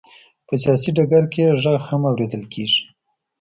په سیاسي ډګر کې یې غږ هم اورېدل کېږي.